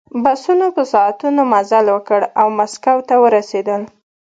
بسونو په ساعتونو مزل وکړ او مسکو ته ورسېدل